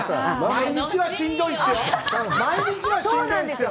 毎日は、しんどいっすよ。